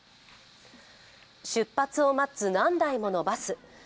出発を待つ何台ものバス。